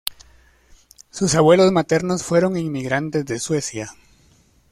Sus abuelos maternos fueron inmigrantes de Suecia.